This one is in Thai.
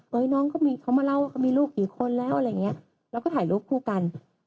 น้องก็มีเขามาเล่าว่าเขามีลูกกี่คนแล้วอะไรอย่างเงี้ยเราก็ถ่ายรูปคู่กัน